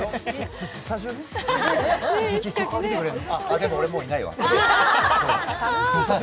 でも、もう、俺いないわ。